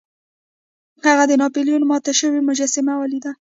هغه د ناپلیون ماته شوې مجسمه ولیده.